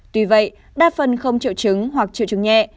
tuy vậy đa phần không triệu chứng hoặc triệu chứng nhẹ